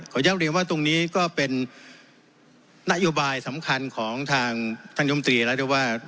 อยากเรียนว่าตรงนี้ก็เป็นนโยบายสำคัญของทางท่านยมตรีแล้วด้วยว่า